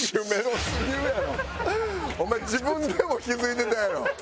お前自分でも気付いてたやろ。